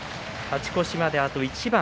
勝ち越しまで、あと一番。